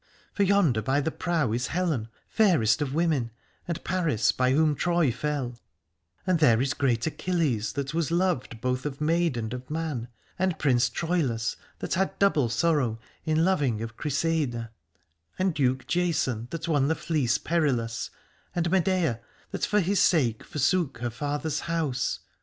For yonder by the prow is Helen, fairest of women, and Paris, by whom Troy fell : and there is great Achilles that was loved both of maid and of man, and Prince Troilus that had double sorrow in loving of Criseyde, and Duke Jason that won the Fleece Perilous, and Medea that for his sake forsook her father's house.